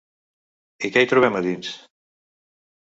I que hi trobem a dins?